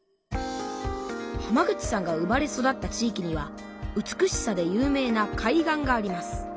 浜口さんが生まれ育った地いきには美しさで有名な海岸があります。